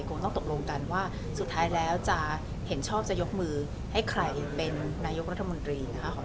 คงต้องตกลงกันว่าสุดท้ายแล้วจะเห็นชอบจะยกมือให้ใครเป็นนายกรัฐมนตรีนะคะ